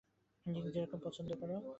ঠিক যেরকম পছন্দ করো।